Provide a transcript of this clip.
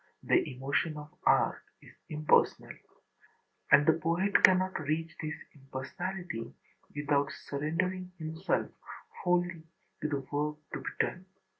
The emotion of art is impersonal. And the poet cannot reach this impersonality without surrendering himself wholly to the work to be done.